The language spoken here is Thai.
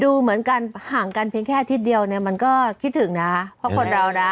ดูเหมือนกันห่างกันเพียงแค่อาทิตย์เดียวเนี่ยมันก็คิดถึงนะเพราะคนเรานะ